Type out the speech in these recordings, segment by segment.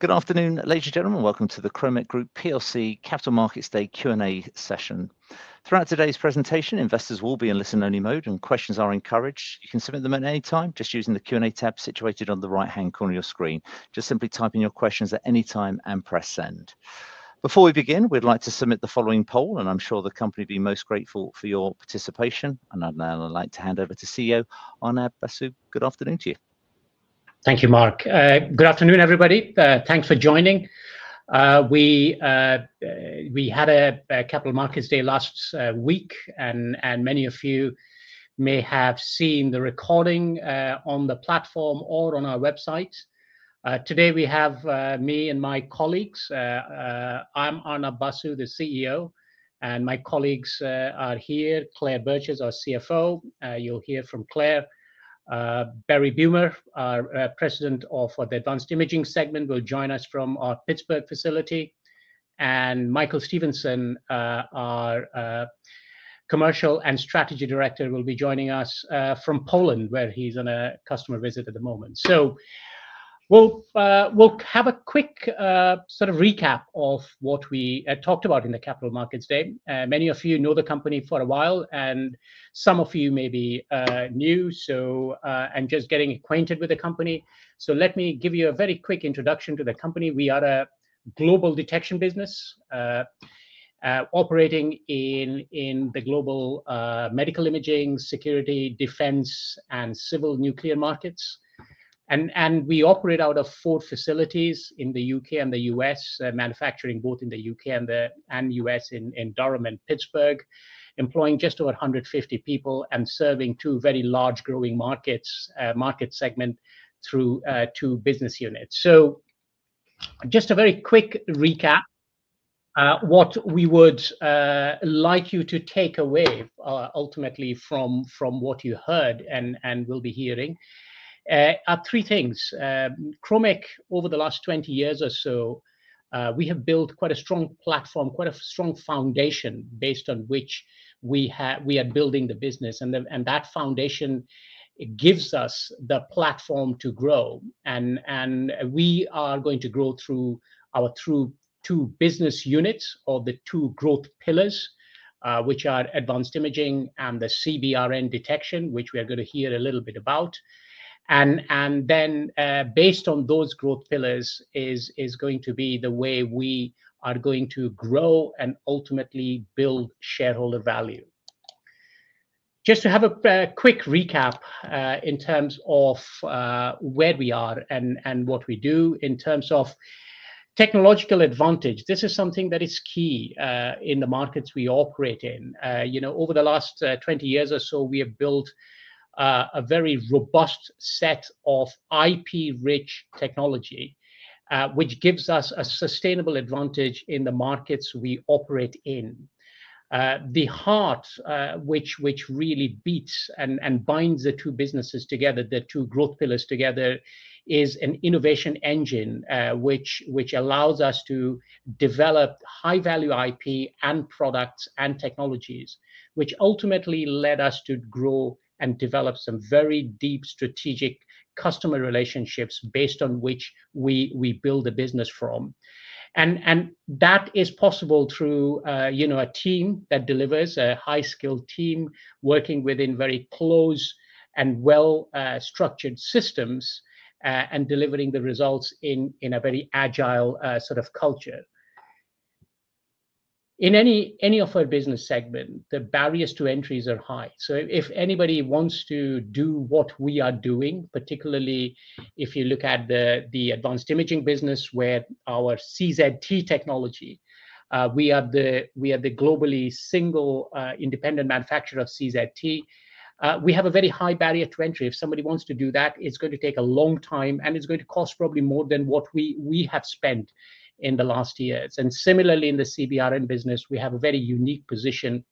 Good afternoon, ladies and gentlemen. Welcome to the Kromek Group Capital Markets Day Q&A session. Throughout today's presentation, investors will be in listen-only mode, and questions are encouraged. You can submit them at any time just using the Q&A tab situated on the right-hand corner of your screen. Just simply type in your questions at any time and press send. Before we begin, we'd like to submit the following poll, and I'm sure the company will be most grateful for your participation. I'd now like to hand over to CEO Arnab Basu. Good afternoon to you. Thank you, Mark. Good afternoon, everybody. Thanks for joining. We had a Capital Markets Day last week, and many of you may have seen the recording on the platform or on our website. Today, we have me and my colleagues. I'm Arnab Basu, the CEO, and my colleagues are here. Claire Burgess, our CFO, you'll hear from Claire. Berry Beumer, our President of the advanced imaging segment, will join us from our Pittsburgh facility. And Michael Stevenson, our Commercial and Strategy Director, will be joining us from Poland, where he's on a customer visit at the moment. We will have a quick sort of recap of what we talked about in the Capital Markets Day. Many of you know the company for a while, and some of you may be new and just getting acquainted with the company. Let me give you a very quick introduction to the company. We are a global detection business operating in the global medical imaging, security, defense, and civil nuclear markets. We operate out of four facilities in the U.K. and the U.S., manufacturing both in the U.K. and the U.S. in Durham and Pittsburgh, employing just over 150 people and serving two very large growing market segments through two business units. Just a very quick recap of what we would like you to take away ultimately from what you heard and will be hearing are three things. Kromek, over the last 20 years or so, we have built quite a strong platform, quite a strong foundation based on which we are building the business. That foundation gives us the platform to grow. We are going to grow through our two business units or the two growth pillars, which are advanced imaging and the CBRN detection, which we are going to hear a little bit about. Based on those growth pillars is going to be the way we are going to grow and ultimately build shareholder value. Just to have a quick recap in terms of where we are and what we do in terms of technological advantage, this is something that is key in the markets we operate in. Over the last 20 years or so, we have built a very robust set of IP-rich technology, which gives us a sustainable advantage in the markets we operate in. The heart which really beats and binds the two businesses together, the two growth pillars together, is an innovation engine which allows us to develop high-value IP and products and technologies, which ultimately led us to grow and develop some very deep strategic customer relationships based on which we build a business from. That is possible through a team that delivers, a high-skilled team working within very close and well-structured systems and delivering the results in a very agile sort of culture. In any of our business segments, the barriers to entry are high. If anybody wants to do what we are doing, particularly if you look at the advanced imaging business where our CZT technology, we are the globally single independent manufacturer of CZT. We have a very high barrier to entry. If somebody wants to do that, it's going to take a long time, and it's going to cost probably more than what we have spent in the last years. Similarly, in the CBRN business, we have a very unique position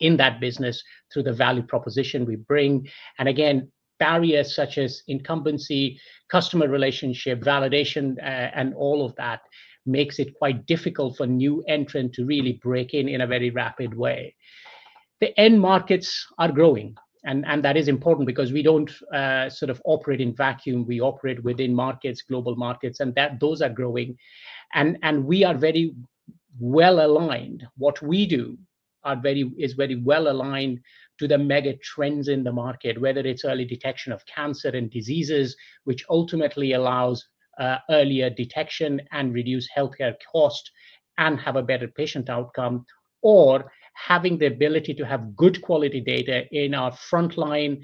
in that business through the value proposition we bring. Again, barriers such as incumbency, customer relationship, validation, and all of that makes it quite difficult for new entrants to really break in in a very rapid way. The end markets are growing, and that is important because we don't sort of operate in a vacuum. We operate within markets, global markets, and those are growing. We are very well aligned. What we do is very well aligned to the mega trends in the market, whether it's early detection of cancer and diseases, which ultimately allows earlier detection and reduces healthcare costs and has a better patient outcome, or having the ability to have good quality data in our frontline,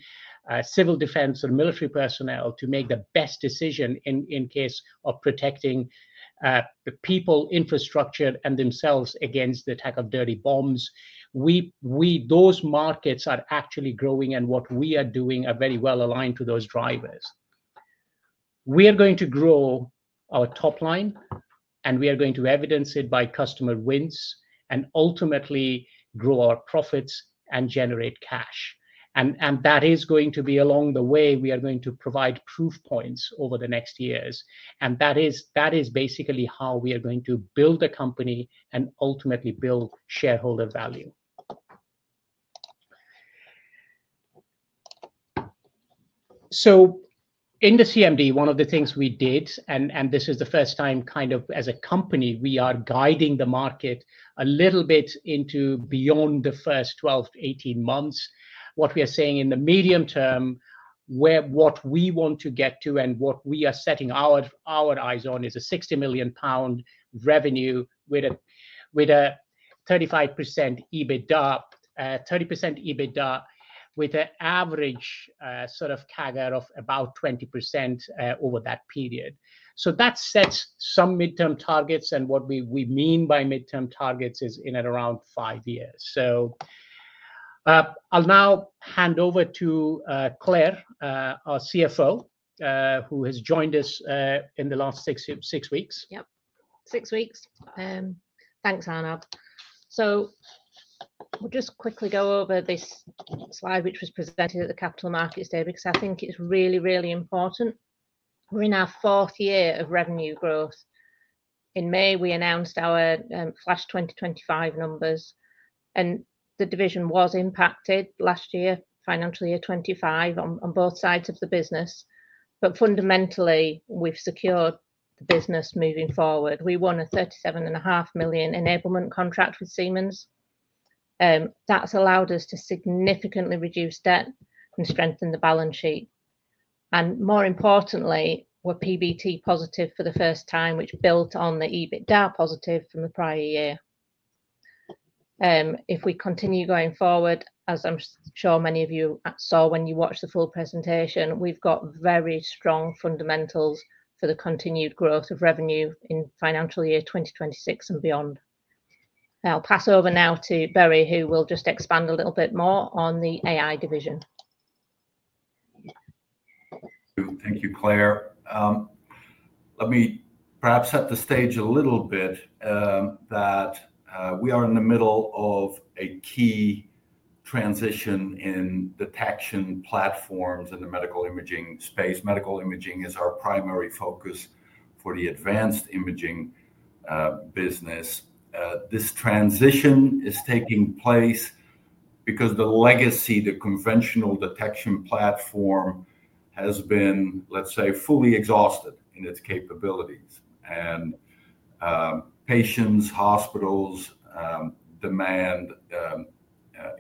civil defense and military personnel to make the best decision in case of protecting the people, infrastructure, and themselves against the attack of dirty bombs. Those markets are actually growing, and what we are doing is very well aligned to those drivers. We are going to grow our top line, and we are going to evidence it by customer wins and ultimately grow our profits and generate cash. That is going to be along the way we are going to provide proof points over the next years. That is basically how we are going to build a company and ultimately build shareholder value. In the CMD, one of the things we did, and this is the first time kind of as a company, we are guiding the market a little bit into beyond the first 12-18 months, what we are saying in the medium term where what we want to get to and what we are setting our eyes on is a 60 million pound revenue with a 35% EBITDA, 30% EBITDA with an average sort of CAGR of about 20% over that period. That sets some midterm targets, and what we mean by midterm targets is in and around five years. I'll now hand over to Claire, our CFO, who has joined us in the last six weeks. Yep, six weeks. Thanks, Arnab. We'll just quickly go over this slide, which was presented at the Capital Markets Day, because I think it's really, really important. We're in our fourth year of revenue growth. In May, we announced our flash 2025 numbers, and the division was impacted last year, financial year 2025, on both sides of the business. Fundamentally, we've secured the business moving forward. We won a 37.5 million enablement contract with Siemens Healthineers. And that's allowed us to significantly reduce debt and strengthen the balance sheet. More importantly, we're PBT positive for the first time, which built on the EBITDA positive from the prior year. If we continue going forward, as I'm sure many of you saw when you watched the full presentation, we've got very strong fundamentals for the continued growth of revenue in financial year 2026 and beyond. I'll pass over now to Barry, who will just expand a little bit more on the AI division. Thank you, Claire. Let me perhaps set the stage a little bit that we are in the middle of a key transition in detection platforms in the medical imaging space. Medical imaging is our primary focus for the advanced imaging business. This transition is taking place because the legacy, the conventional detection platform, has been, let's say, fully exhausted in its capabilities. Patients, hospitals demand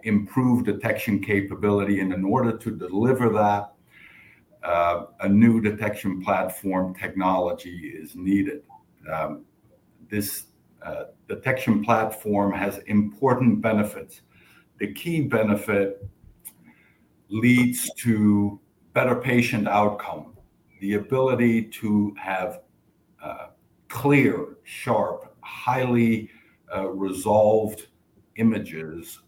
improved detection capability. In order to deliver that, a new detection platform technology is needed. This detection platform has important benefits. The key benefit leads to better patient outcome, the ability to have clear, sharp, highly resolved images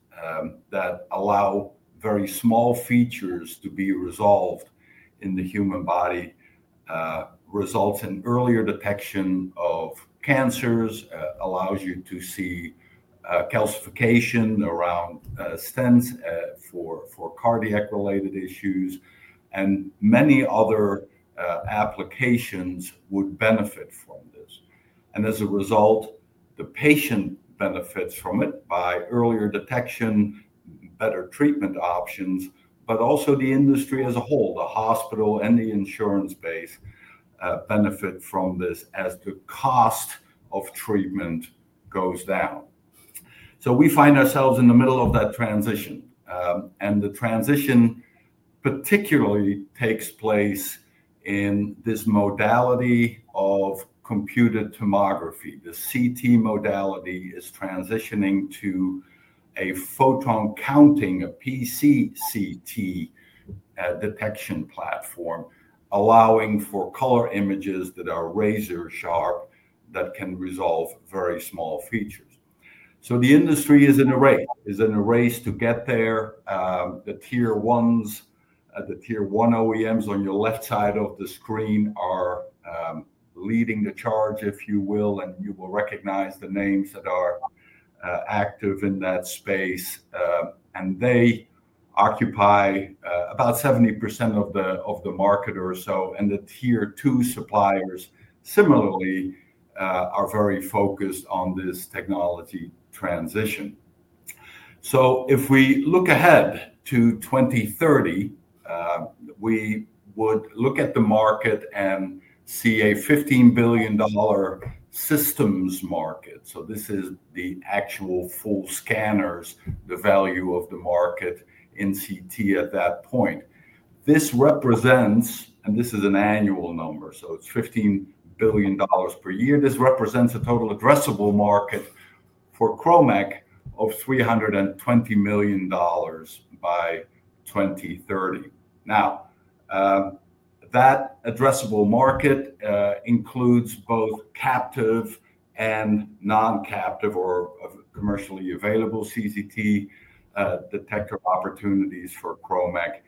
that allow very small features to be resolved in the human body, results in earlier detection of cancers, allows you to see calcification around stents for cardiac-related issues, and many other applications would benefit from this. As a result, the patient benefits from it by earlier detection, better treatment options, but also the industry as a whole, the hospital and the insurance base benefit from this as the cost of treatment goes down. We find ourselves in the middle of that transition. The transition particularly takes place in this modality of computed tomography. The CT modality is transitioning to a photon counting, a PCCT detection platform, allowing for color images that are razor-sharp that can resolve very small features. The industry is in a race. It is in a race to get there. The tier ones, the tier one OEMs on your left side of the screen are leading the charge, if you will, and you will recognize the names that are active in that space. They occupy about 70% of the market or so. The tier two suppliers, similarly, are very focused on this technology transition. If we look ahead to 2030, we would look at the market and see a $15 billion systems market. This is the actual full scanners, the value of the market in CT at that point. This represent This is an annual number, so it is $15 billion per year. This represents a total addressable market for Kromek of $320 million by 2030. That addressable market includes both captive and non-captive or commercially available CCT detector opportunities for Kromek.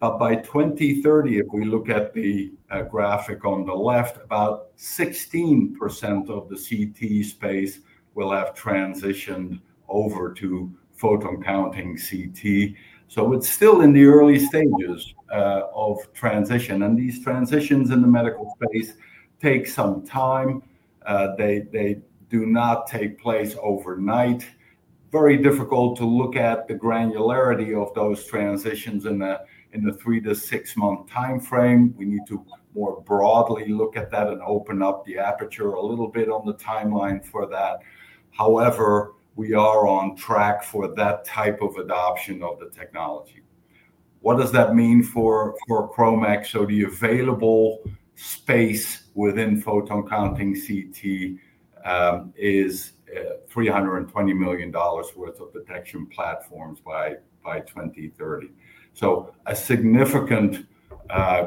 By 2030, if we look at the graphic on the left, about 16% of the CT space will have transitioned over to photon counting CT. It is still in the early stages of transition. These transitions in the medical space take some time. They do not take place overnight. Very difficult to look at the granularity of those transitions in the three- six-month time frame. We need to more broadly look at that and open up the aperture a little bit on the timeline for that. However, we are on track for that type of adoption of the technology. What does that mean for Kromek? The available space within photon counting CT is $320 million worth of detection platforms by 2030. A significant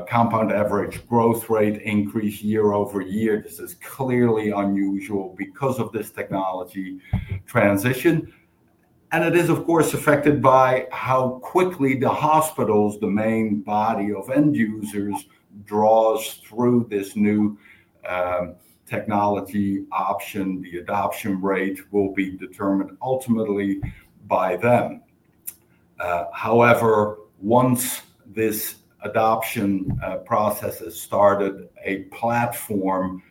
compound average growth rate increase year over year. This is clearly unusual because of this technology transition. It is, of course, affected by how quickly the hospitals, the main body of end users, draws through this new technology option. The adoption rate will be determined ultimately by them. However, once this adoption process has started, a platform,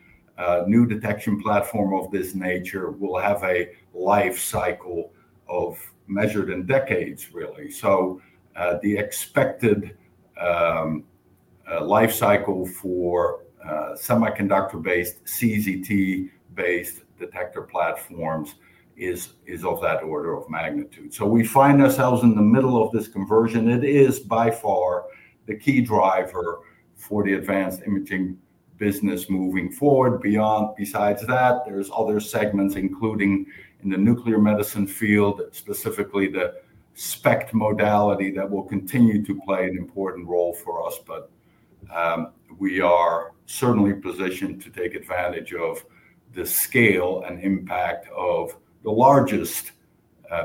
new detection platform of this nature will have a life cycle measured in decades, really. The expected life cycle for semiconductor-based, CZT-based detector platforms is of that order of magnitude. We find ourselves in the middle of this conversion. It is by far the key driver for the advanced imaging business moving forward. Besides that, there are other segments, including in the nuclear medicine field, specifically the SPECT modality that will continue to play an important role for us. We are certainly positioned to take advantage of the scale and impact of the largest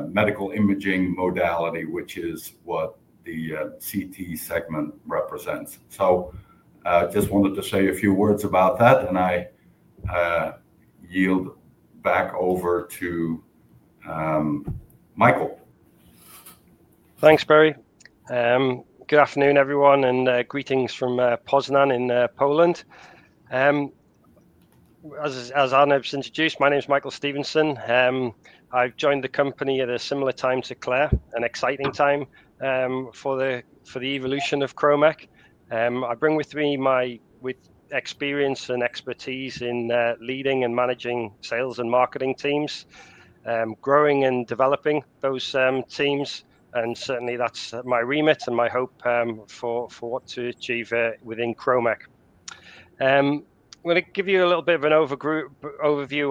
medical imaging modality, which is what the CT segment represents. I just wanted to say a few words about that, and I yield back over to Michael. Thanks, Barry. Good afternoon, everyone, and greetings from Poznań in Poland. As Arnab's introduced, my name is Michael Stevenson. I've joined the company at a similar time to Claire, an exciting time for the evolution of Kromek. I bring with me my experience and expertise in leading and managing sales and marketing teams, growing and developing those teams. Certainly, that's my remit and my hope for what to achieve within Kromek. I'm going to give you a little bit of an overview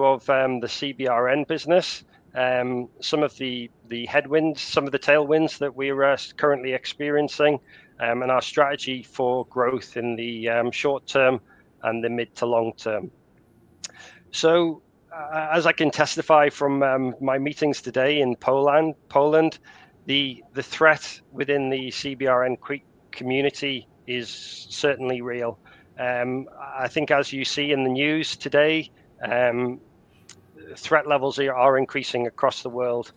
of the CBRN business, some of the headwinds, some of the tailwinds that we are currently experiencing, and our strategy for growth in the short term and the mid to long term. As I can testify from my meetings today in Poland, the threat within the CBRN community is certainly real. I think, as you see in the news today, threat levels are increasing across the world.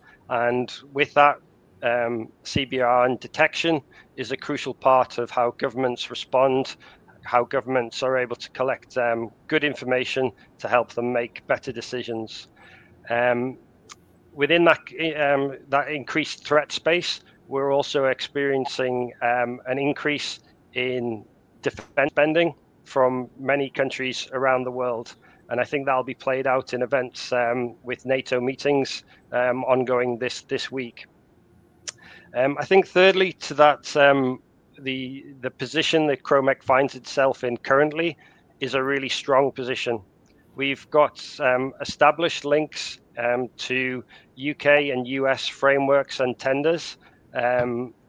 With that, CBRN detection is a crucial part of how governments respond, how governments are able to collect good information to help them make better decisions. Within that increased threat space, we're also experiencing an increase in defense spending from many countries around the world. I think that'll be played out in events with NATO meetings ongoing this week. Thirdly to that, the position that Kromek finds itself in currently is a really strong position. We've got established links to U.K. and U.S. frameworks and tenders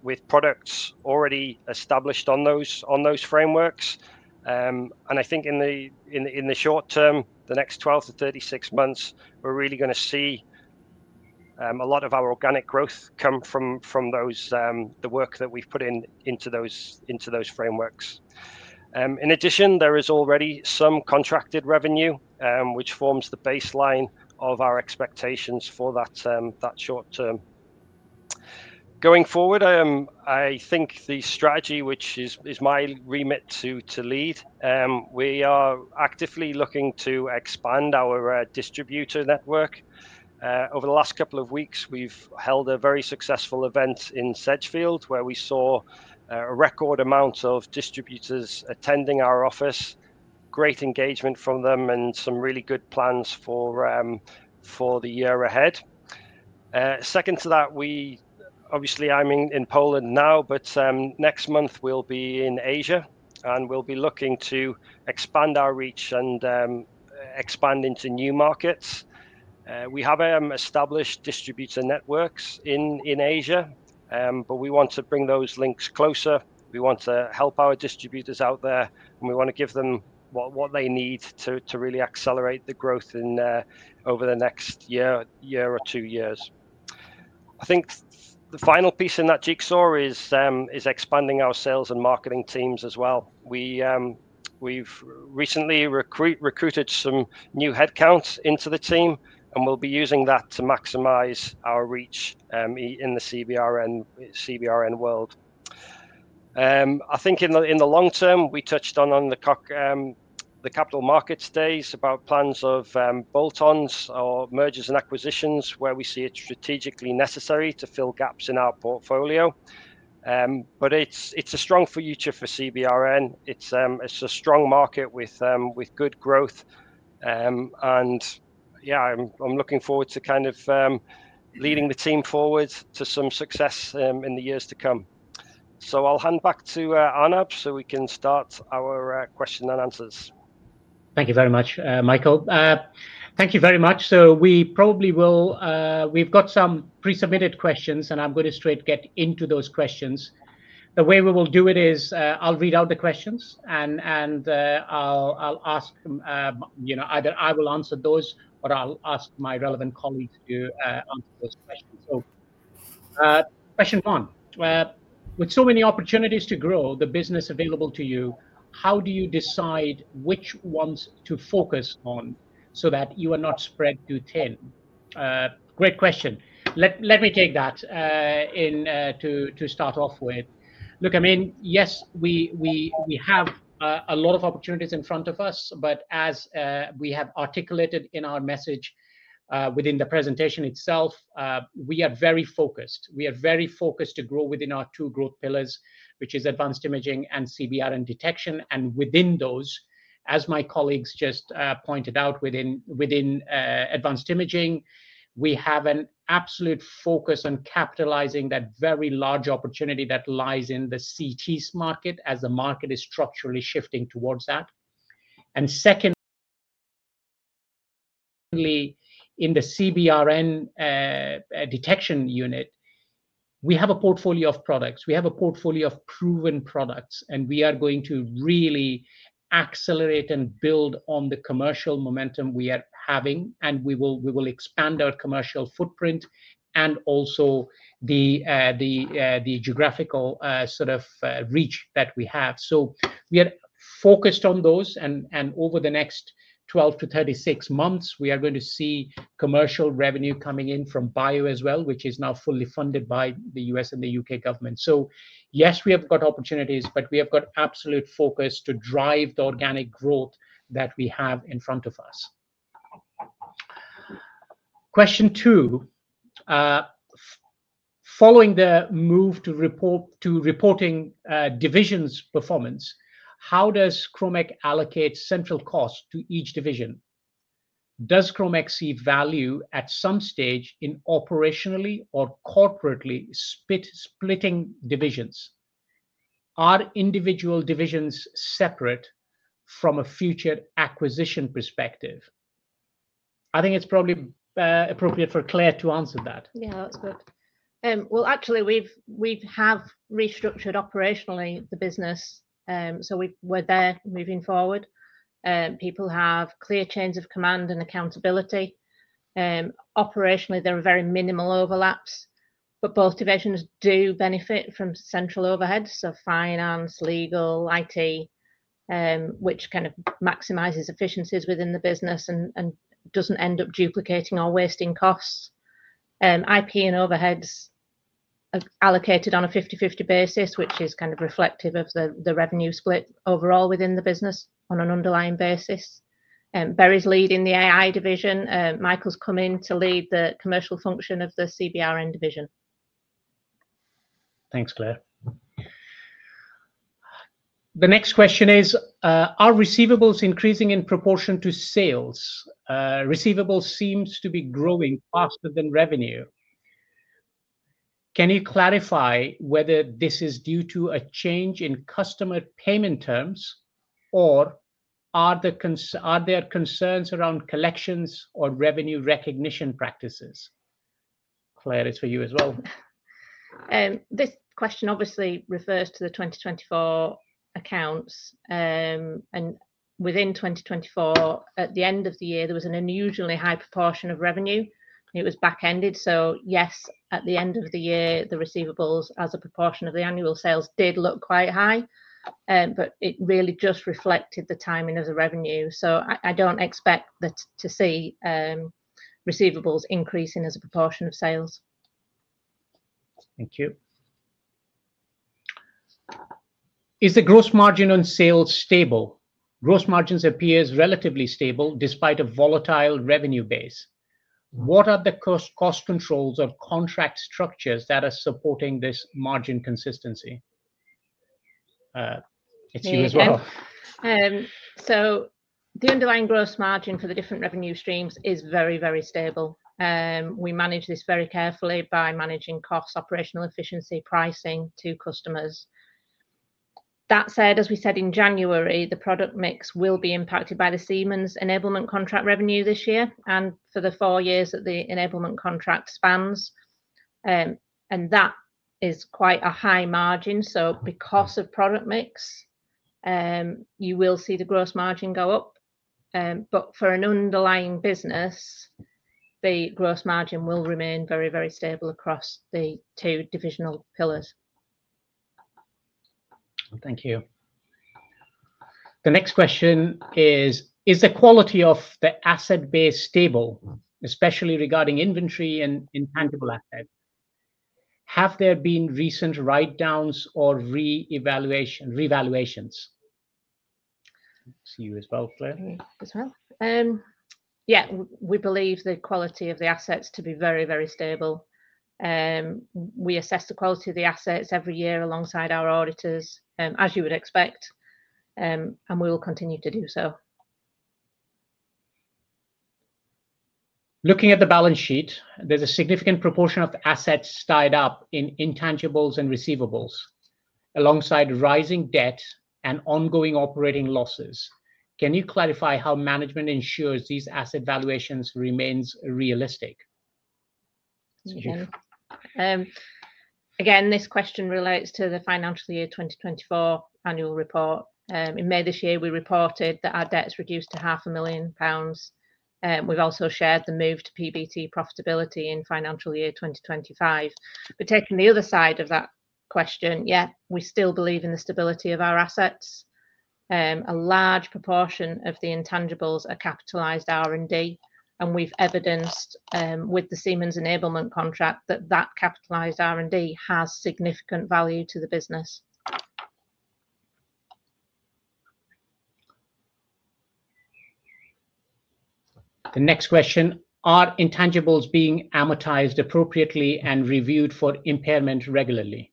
with products already established on those frameworks. I think in the short term, the next 12-36 months, we're really going to see a lot of our organic growth come from the work that we've put into those frameworks. In addition, there is already some contracted revenue, which forms the baseline of our expectations for that short term. Going forward, I think the strategy, which is my remit to lead, we are actively looking to expand our distributor network. Over the last couple of weeks, we've held a very successful event in Sedgefield, where we saw a record amount of distributors attending our office, great engagement from them, and some really good plans for the year ahead. Second to that, obviously, I'm in Poland now, but next month we'll be in Asia, and we'll be looking to expand our reach and expand into new markets. We have established distributor networks in Asia, but we want to bring those links closer. We want to help our distributors out there, and we want to give them what they need to really accelerate the growth over the next year or two years. I think the final piece in that jigsaw is expanding our sales and marketing teams as well. We've recently recruited some new headcounts into the team, and we'll be using that to maximize our reach in the CBRN world. I think in the long term, we touched on the capital markets days about plans of bolt-on's or mergers and acquisitions, where we see it's strategically necessary to fill gaps in our portfolio. It is a strong future for CBRN. It is a strong market with good growth. Yeah, I'm looking forward to kind of leading the team forward to some success in the years to come. I'll hand back to Arnab so we can start our question and answers. Thank you very much, Michael. Thank you very much. We probably will, we've got some pre-submitted questions, and I'm going to straight get into those questions. The way we will do it is I'll read out the questions, and I'll ask either I will answer those or I'll ask my relevant colleagues to answer those questions. Question one. With so many opportunities to grow the business available to you, how do you decide which ones to focus on so that you are not spread too thin? Great question. Let me take that to start off with. Look, I mean, yes, we have a lot of opportunities in front of us, but as we have articulated in our message within the presentation itself, we are very focused. We are very focused to grow within our two growth pillars, which is advanced imaging and CBRN detection. Within those, as my colleagues just pointed out, within advanced imaging, we have an absolute focus on capitalizing that very large opportunity that lies in the CT market as the market is structurally shifting towards that. Secondly, in the CBRN detection unit, we have a portfolio of products. We have a portfolio of proven products, and we are going to really accelerate and build on the commercial momentum we are having, and we will expand our commercial footprint and also the geographical sort of reach that we have. We are focused on those, and over the next 12-36 months, we are going to see commercial revenue coming in from bio as well, which is now fully funded by the U.S. and the U.K. government. Yes, we have got opportunities, but we have got absolute focus to drive the organic growth that we have in front of us. Question two. Following the move to reporting divisions' performance, how does Kromek allocate central cost to each division? Does Kromek see value at some stage in operationally or corporately splitting divisions? Are individual divisions separate from a future acquisition perspective? I think it's probably appropriate for Claire to answer that. Yeah, that's good. Actually, we have restructured operationally the business, so we're there moving forward. People have clear chains of command and accountability. Operationally, there are very minimal overlaps, but both divisions do benefit from central overheads, so finance, legal, IT, which kind of maximizes efficiencies within the business and does not end up duplicating or wasting costs. IP and overheads are allocated on a 50/50 basis, which is kind of reflective of the revenue split overall within the business on an underlying basis. Barry's leading the AI division. Michael's come in to lead the commercial function of the CBRN division. Thanks, Claire. The next question is, are receivables increasing in proportion to sales? Receivables seem to be growing faster than revenue. Can you clarify whether this is due to a change in customer payment terms, or are there concerns around collections or revenue recognition practices? Claire, it's for you as well. This question obviously refers to the 2024 accounts. Within 2024, at the end of the year, there was an unusually high proportion of revenue. It was back-ended. Yes, at the end of the year, the receivables as a proportion of the annual sales did look quite high, but it really just reflected the timing of the revenue. I do not expect to see receivables increasing as a proportion of sales. Thank you. Is the gross margin on sales stable? Gross margins appear relatively stable despite a volatile revenue base. What are the cost controls or contract structures that are supporting this margin consistency? It's you as well. The underlying gross margin for the different revenue streams is very, very stable. We manage this very carefully by managing costs, operational efficiency, pricing to customers. That said, as we said in January, the product mix will be impacted by the Siemens enablement contract revenue this year and for the four years that the enablement contract spans. That is quite a high margin. Because of product mix, you will see the gross margin go up. For an underlying business, the gross margin will remain very, very stable across the two divisional pillars. Thank you. The next question is, is the quality of the asset base stable, especially regarding inventory and intangible assets? Have there been recent write-downs or reevaluations? It's you as well, Claire. Yeah, we believe the quality of the assets to be very, very stable. We assess the quality of the assets every year alongside our auditors, as you would expect, and we will continue to do so. Looking at the balance sheet, there's a significant proportion of assets tied up in intangibles and receivables alongside rising debt and ongoing operating losses. Can you clarify how management ensures these asset valuations remain realistic? Again, this question relates to the financial year 2024 annual report. In May this year, we reported that our debt's reduced to 500,000 pounds. We've also shared the move to PBT profitability in financial year 2025. Taking the other side of that question, yeah, we still believe in the stability of our assets. A large proportion of the intangibles are capitalized R&D, and we've evidenced with the Siemens enablement contract that that capitalized R&D has significant value to the business. The next question, are intangibles being amortized appropriately and reviewed for impairment regularly?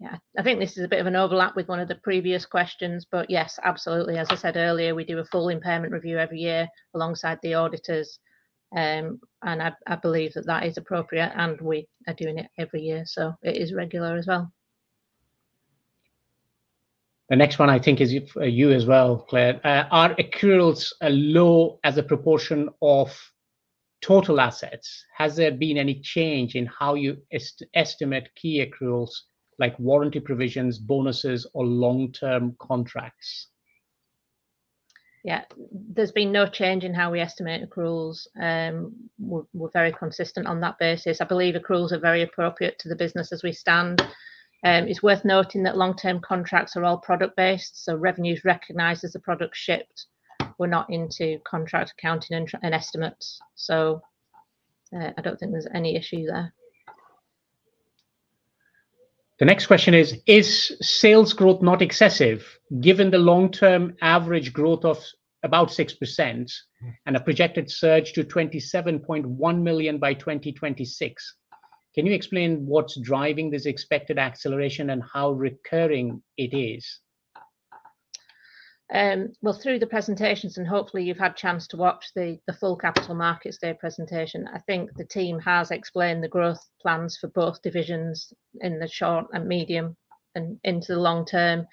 Yeah, I think this is a bit of an overlap with one of the previous questions, but yes, absolutely. As I said earlier, we do a full impairment review every year alongside the auditors. I believe that that is appropriate, and we are doing it every year. It is regular as well. The next one, I think, is you as well, Claire. Are accruals low as a proportion of total assets? Has there been any change in how you estimate key accruals like warranty provisions, bonuses, or long-term contracts? Yeah, there's been no change in how we estimate accruals. We're very consistent on that basis. I believe accruals are very appropriate to the business as we stand. It's worth noting that long-term contracts are all product-based, so revenues recognized as the product shipped. We're not into contract accounting and estimates. I don't think there's any issue there. The next question is, is sales growth not excessive given the long-term average growth of about 6% and a projected surge to 27.1 million by 2026? Can you explain what's driving this expected acceleration and how recurring it is? Through the presentations, and hopefully you've had a chance to watch the full capital markets day presentation, I think the team has explained the growth plans for both divisions in the short and medium and into the long term.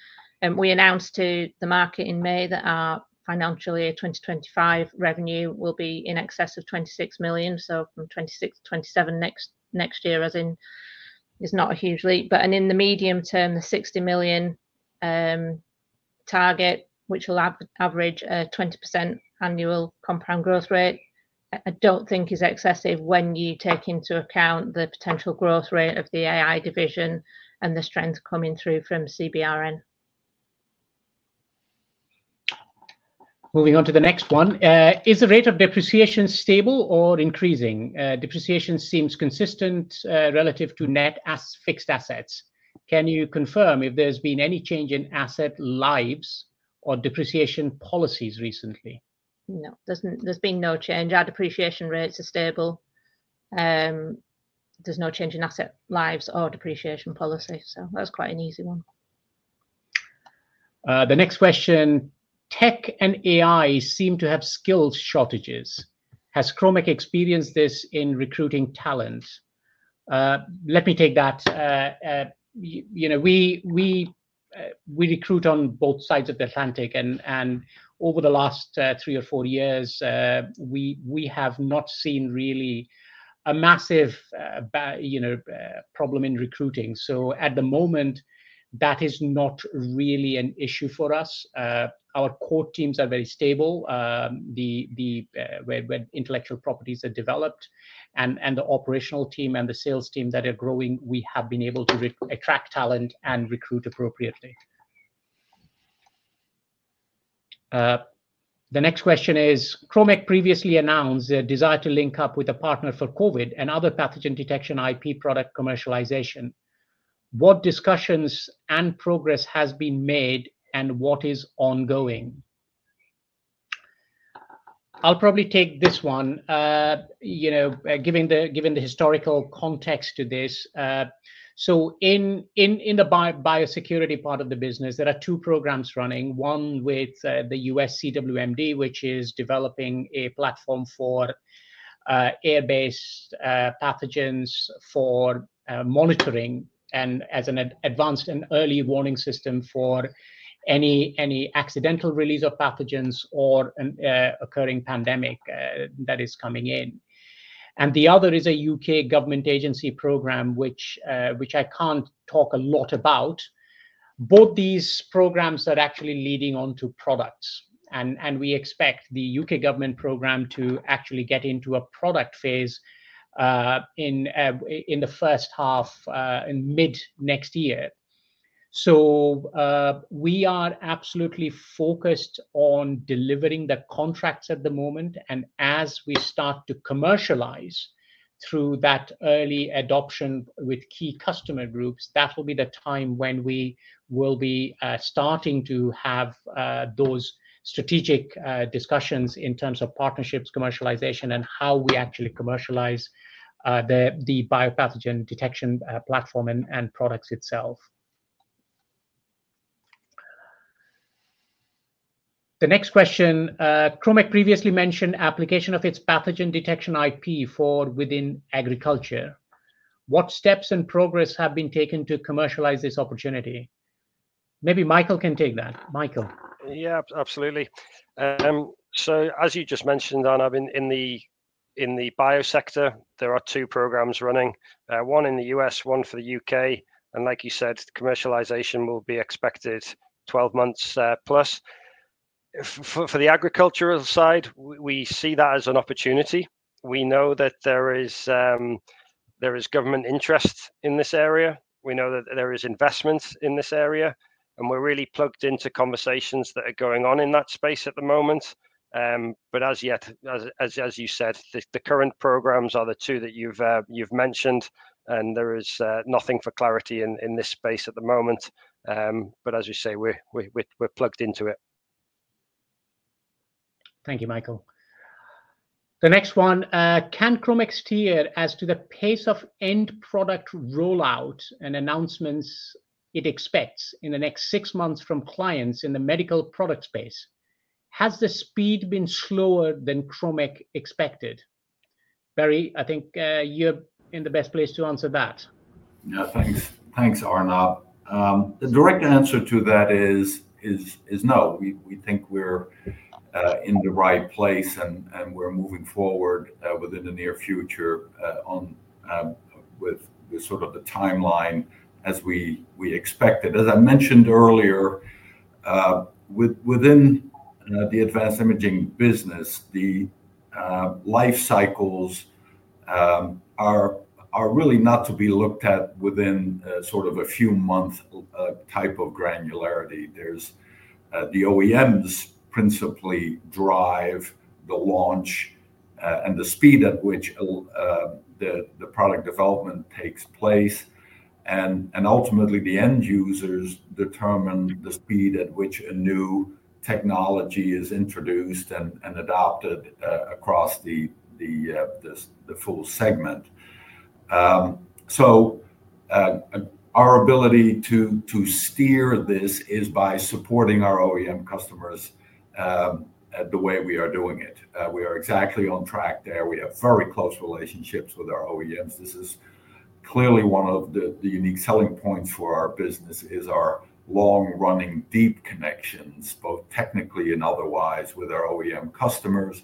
We announced to the market in May that our financial year 2025 revenue will be in excess of 26 million. From 26 million to 27 million next year, as in, it's not a huge leap. In the medium term, the 60 million target, which will average a 20% annual compound growth rate, I don't think is excessive when you take into account the potential growth rate of the AI division and the strength coming through from CBRN. Moving on to the next one. Is the rate of depreciation stable or increasing? Depreciation seems consistent relative to net fixed assets. Can you confirm if there's been any change in asset lives or depreciation policies recently? No, there's been no change. Our depreciation rates are stable. There's no change in asset lives or depreciation policy. That's quite an easy one. The next question, tech and AI seem to have skills shortages. Has Kromek experienced this in recruiting talent? Let me take that. We recruit on both sides of the Atlantic, and over the last three or four years, we have not seen really a massive problem in recruiting. At the moment, that is not really an issue for us. Our core teams are very stable where intellectual properties are developed. The operational team and the sales team that are growing, we have been able to attract talent and recruit appropriately. The next question is, Kromek previously announced their desire to link up with a partner for COVID and other pathogen detection IP product commercialization. What discussions and progress have been made, and what is ongoing? I'll probably take this one, given the historical context to this. In the biosecurity part of the business, there are two programs running, one with the US CWMD, which is developing a platform for air-based pathogens for monitoring and as an advanced and early warning system for any accidental release of pathogens or an occurring pandemic that is coming in. The other is a U.K. government agency program, which I can't talk a lot about. Both these programs are actually leading on to products, and we expect the U.K. government program to actually get into a product phase in the first half, mid next year. We are absolutely focused on delivering the contracts at the moment. As we start to commercialize through that early adoption with key customer groups, that will be the time when we will be starting to have those strategic discussions in terms of partnerships, commercialization, and how we actually commercialize the biopathogen detection platform and products itself. The next question, Kromek previously mentioned application of its pathogen detection IP for within agriculture. What steps and progress have been taken to commercialize this opportunity? Maybe Michael can take that. Michael. Yeah, absolutely. As you just mentioned, Arnab, in the bio sector, there are two programs running, one in the U.S., one for the U.K. Like you said, commercialization will be expected 12 months plus. For the agricultural side, we see that as an opportunity. We know that there is government interest in this area. We know that there is investment in this area, and we're really plugged into conversations that are going on in that space at the moment. As you said, the current programs are the two that you've mentioned, and there is nothing for clarity in this space at the moment. As you say, we're plugged into it. Thank you, Michael. The next one, can Kromek steer as to the pace of end product rollout and announcements it expects in the next six months from clients in the medical product space? Has the speed been slower than Kromek expected? Barry, I think you're in the best place to answer that. Yeah, thanks, Arnab. The direct answer to that is no. We think we're in the right place, and we're moving forward within the near future with sort of the timeline as we expected. As I mentioned earlier, within the advanced imaging business, the life cycles are really not to be looked at within sort of a few months type of granularity. The OEMs principally drive the launch and the speed at which the product development takes place. Ultimately, the end users determine the speed at which a new technology is introduced and adopted across the full segment. Our ability to steer this is by supporting our OEM customers the way we are doing it. We are exactly on track there. We have very close relationships with our OEMs. This is clearly one of the unique selling points for our business is our long-running deep connections, both technically and otherwise, with our OEM customers.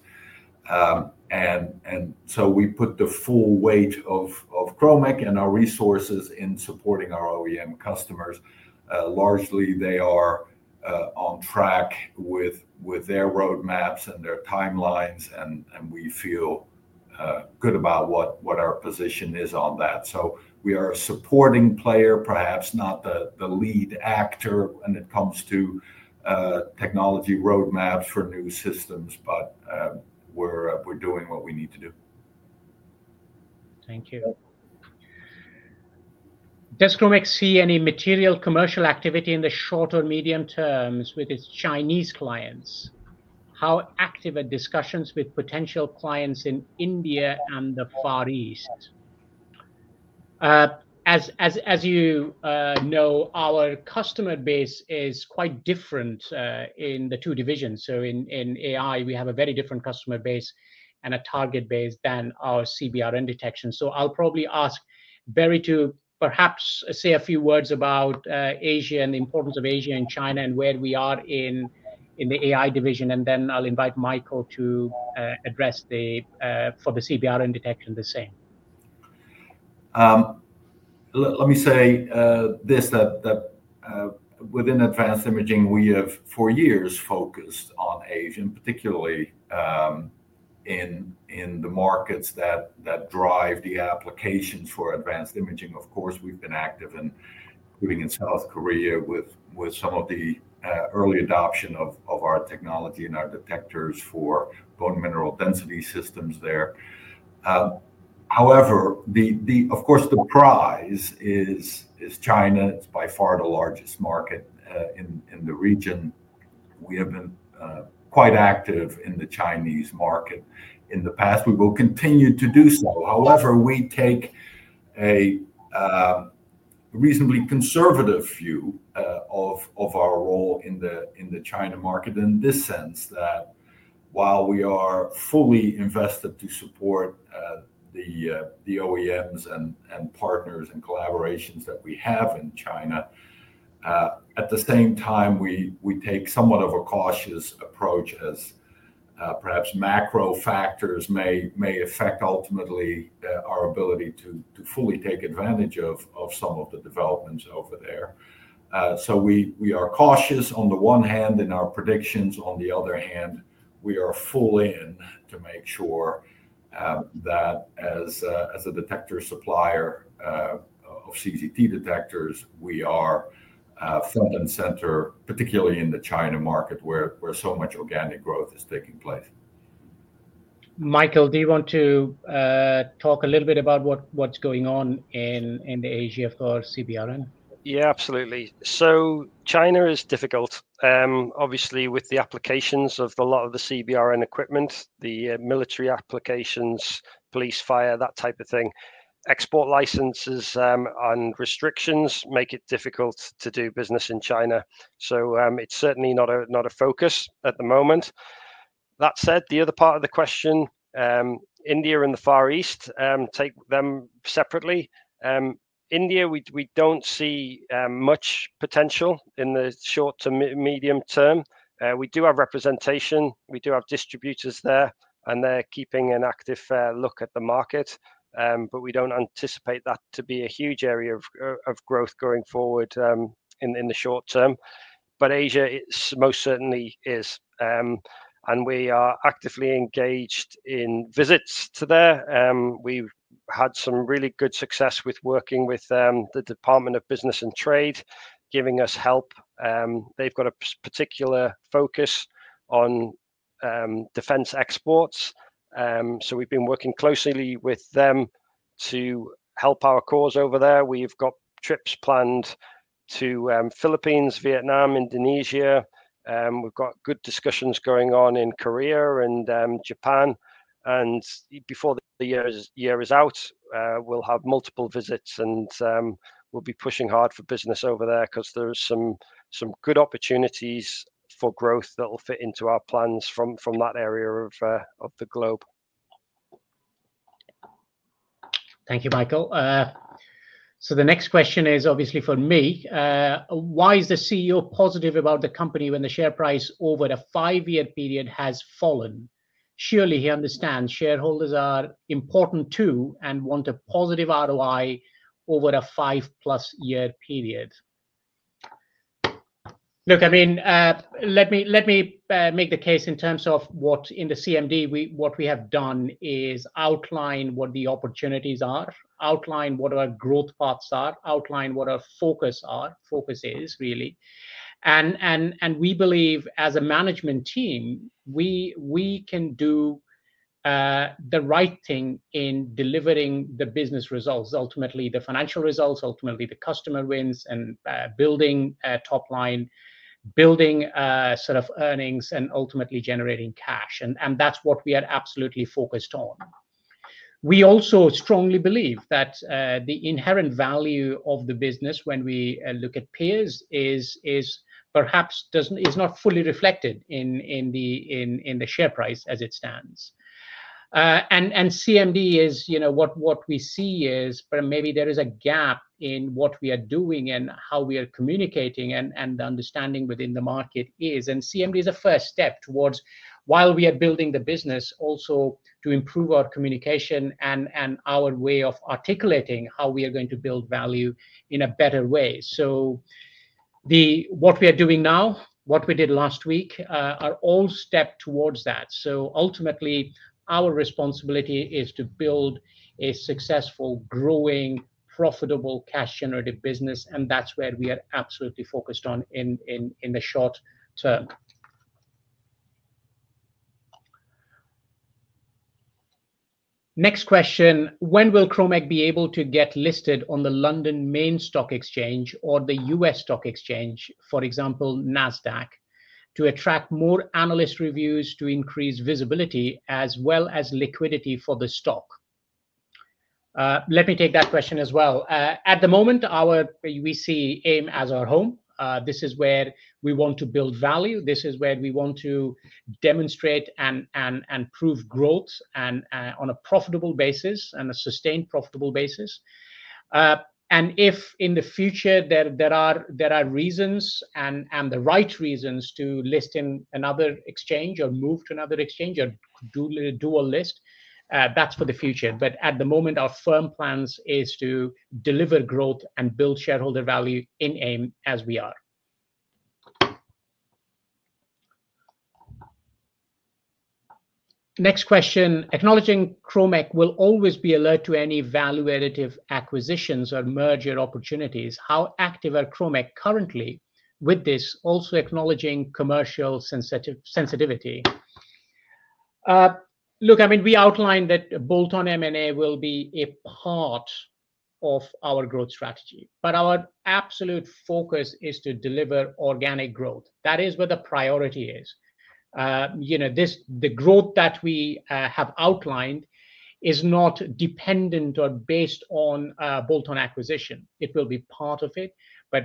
We put the full weight of Kromek and our resources in supporting our OEM customers. Largely, they are on track with their roadmaps and their timelines, and we feel good about what our position is on that. We are a supporting player, perhaps not the lead actor when it comes to technology roadmaps for new systems, but we're doing what we need to do. Thank you. Does Kromek see any material commercial activity in the short or medium terms with its Chinese clients? How active are discussions with potential clients in India and the Far East? As you know, our customer base is quite different in the two divisions. In AI, we have a very different customer base and a target base than our CBRN detection. I will probably ask Barry to perhaps say a few words about Asia and the importance of Asia and China and where we are in the AI division. I will invite Michael to address for the CBRN detection the same. Let me say this: within advanced imaging, we have four years focused on Asia, particularly in the markets that drive the applications for advanced imaging. Of course, we've been active in South Korea with some of the early adoption of our technology and our detectors for bone mineral density systems there. However, of course, the prize is China. It's by far the largest market in the region. We have been quite active in the Chinese market in the past. We will continue to do so. However, we take a reasonably conservative view of our role in the China market in this sense that while we are fully invested to support the OEMs and partners and collaborations that we have in China, at the same time, we take somewhat of a cautious approach as perhaps macro factors may affect ultimately our ability to fully take advantage of some of the developments over there. We are cautious on the one hand. In our predictions, on the other hand, we are full in to make sure that as a detector supplier of CZT detectors, we are front and center, particularly in the China market where so much organic growth is taking place. Michael, do you want to talk a little bit about what's going on in Asia for CBRN? Yeah, absolutely. China is difficult, obviously, with the applications of a lot of the CBRN equipment, the military applications, police, fire, that type of thing. Export licenses and restrictions make it difficult to do business in China. It is certainly not a focus at the moment. That said, the other part of the question, India and the Far East, take them separately. India, we do not see much potential in the short to medium term. We do have representation. We do have distributors there, and they are keeping an active look at the market. We do not anticipate that to be a huge area of growth going forward in the short term. Asia most certainly is. We are actively engaged in visits to there. We had some really good success with working with the Department of Business and Trade, giving us help. They've got a particular focus on defense exports. We have been working closely with them to help our cause over there. We have trips planned to the Philippines, Vietnam, Indonesia. We have good discussions going on in Korea and Japan. Before the year is out, we will have multiple visits, and we will be pushing hard for business over there because there are some good opportunities for growth that will fit into our plans from that area of the globe. Thank you, Michael. The next question is obviously for me. Why is the CEO positive about the company when the share price over a five-year period has fallen? Surely he understands shareholders are important too and want a positive ROI over a five-plus year period. Look, I mean, let me make the case in terms of what in the CMD, what we have done is outline what the opportunities are, outline what our growth paths are, outline what our focus is, really. We believe as a management team, we can do the right thing in delivering the business results, ultimately the financial results, ultimately the customer wins, and building top line, building sort of earnings, and ultimately generating cash. That is what we are absolutely focused on. We also strongly believe that the inherent value of the business when we look at peers is perhaps not fully reflected in the share price as it stands. CMD is what we see is, but maybe there is a gap in what we are doing and how we are communicating and the understanding within the market is. CMD is a first step towards, while we are building the business, also to improve our communication and our way of articulating how we are going to build value in a better way. What we are doing now, what we did last week, are all steps towards that. Ultimately, our responsibility is to build a successful, growing, profitable cash-generative business. That is where we are absolutely focused on in the short term. Next question, when will Kromek be able to get listed on the London Main Stock Exchange or the US Stock Exchange, for example, NASDAQ, to attract more analyst reviews to increase visibility as well as liquidity for the stock? Let me take that question as well. At the moment, we see AIM as our home. This is where we want to build value. This is where we want to demonstrate and prove growth on a profitable basis and a sustained profitable basis. If in the future there are reasons and the right reasons to list in another exchange or move to another exchange or do a list, that's for the future. At the moment, our firm plans are to deliver growth and build shareholder value in AIM as we are. Next question, acknowledging Kromek will always be alert to any value-additive acquisitions or merger opportunities. How active are Kromek currently with this, also acknowledging commercial sensitivity? Look, I mean, we outlined that bolt-on M&A will be a part of our growth strategy. Our absolute focus is to deliver organic growth. That is where the priority is. The growth that we have outlined is not dependent or based on bolt-on acquisition. It will be part of it.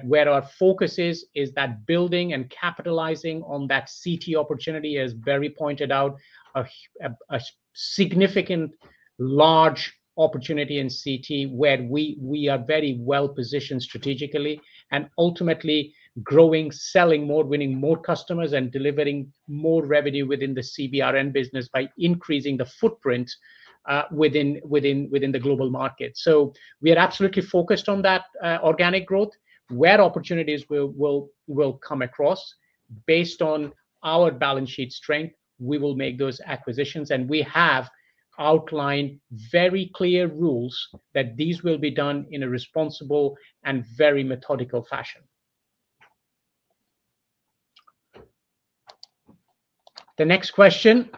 Where our focus is, is that building and capitalizing on that CT opportunity, as Barry pointed out, a significant large opportunity in CT where we are very well positioned strategically and ultimately growing, selling more, winning more customers, and delivering more revenue within the CBRN business by increasing the footprint within the global market. We are absolutely focused on that organic growth. Where opportunities will come across, based on our balance sheet strength, we will make those acquisitions. We have outlined very clear rules that these will be done in a responsible and very methodical fashion. The next question,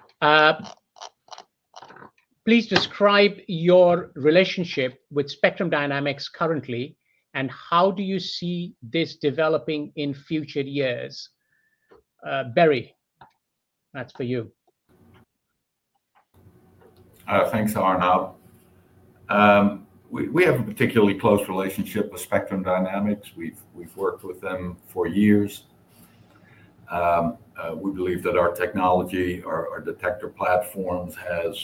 please describe your relationship with Spectrum Dynamics currently and how do you see this developing in future years. Barry, that's for you. Thanks, Arnab. We have a particularly close relationship with Spectrum Dynamics. We've worked with them for years. We believe that our technology, our detector platforms, has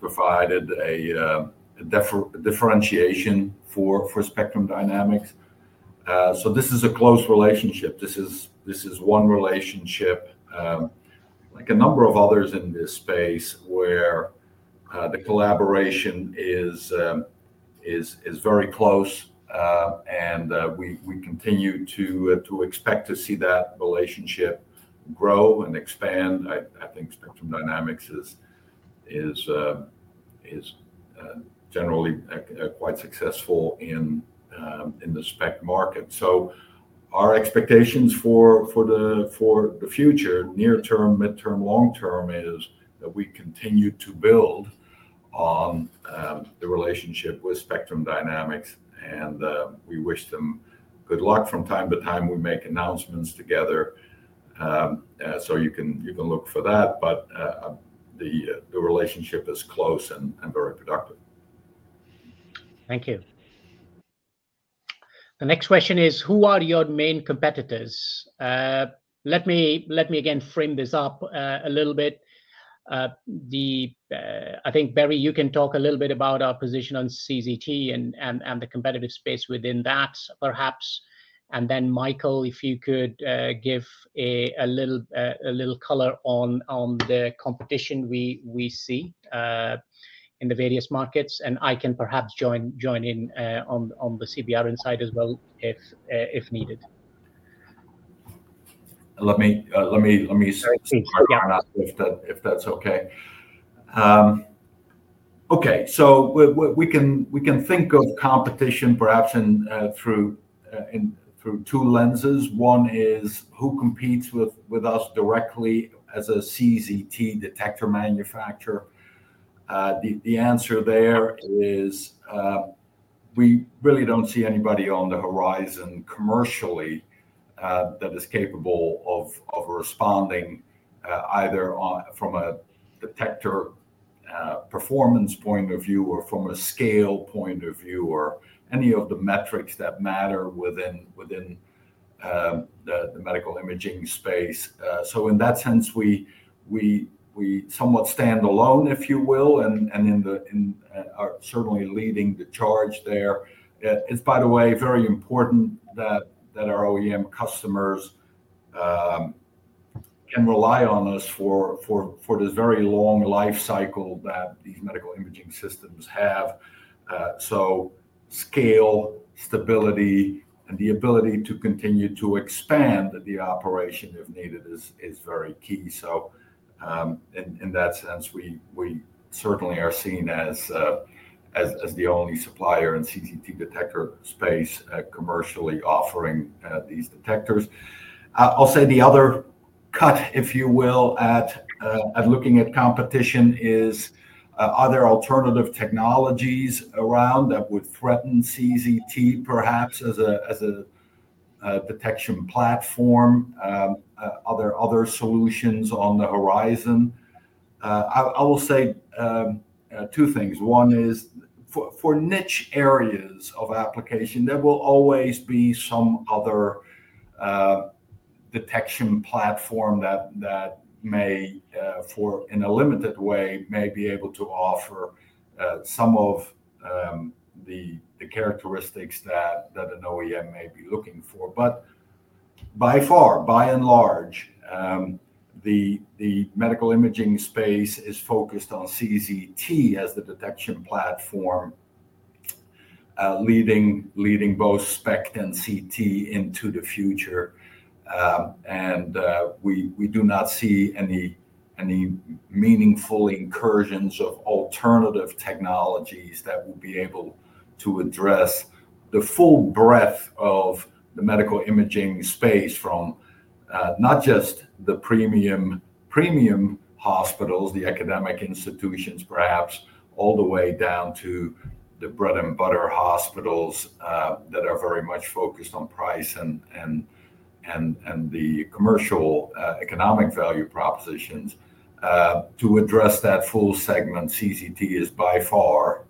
provided a differentiation for Spectrum Dynamics. This is a close relationship. This is one relationship like a number of others in this space where the collaboration is very close. We continue to expect to see that relationship grow and expand. I think Spectrum Dynamics is generally quite successful in the spec market. Our expectations for the future, near term, mid term, long term, is that we continue to build on the relationship with Spectrum Dynamics. We wish them good luck. From time to time, we make announcements together. You can look for that. The relationship is close and very productive. Thank you. The next question is, who are your main competitors? Let me again frame this up a little bit. I think, Barry, you can talk a little bit about our position on CZT and the competitive space within that, perhaps. And then Michael, if you could give a little color on the competition we see in the various markets. I can perhaps join in on the CBRN side as well if needed. Let me say something if that's okay. Okay. So we can think of competition perhaps through two lenses. One is who competes with us directly as a CZT detector manufacturer. The answer there is we really don't see anybody on the horizon commercially that is capable of responding either from a detector performance point of view or from a scale point of view or any of the metrics that matter within the medical imaging space. In that sense, we somewhat stand alone, if you will, and are certainly leading the charge there. It is, by the way, very important that our OEM customers can rely on us for this very long life cycle that these medical imaging systems have. Scale, stability, and the ability to continue to expand the operation if needed is very key. In that sense, we certainly are seen as the only supplier in the CZT detector space commercially offering these detectors. I'll say the other cut, if you will, at looking at competition is other alternative technologies around that would threaten CZT perhaps as a detection platform. Are there other solutions on the horizon? I will say two things. One is for niche areas of application, there will always be some other detection platform that may, in a limited way, be able to offer some of the characteristics that an OEM may be looking for. By far, by and large, the medical imaging space is focused on CZT as the detection platform, leading both SPECT and CT into the future. We do not see any meaningful incursions of alternative technologies that will be able to address the full breadth of the medical imaging space from not just the premium hospitals, the academic institutions, perhaps, all the way down to the bread and butter hospitals that are very much focused on price and the commercial economic value propositions. To address that full segment, CZT is by far